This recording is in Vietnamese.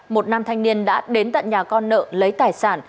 một nam thanh niên đã đến tận nhà con nợ lấy tài sản